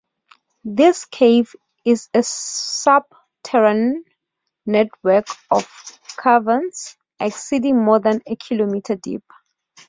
This cave is a subterranean network of caverns extending more than a kilometer deep.